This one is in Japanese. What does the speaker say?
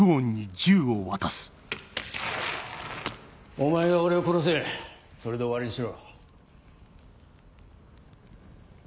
お前が俺を殺せそれで終わりにしろ。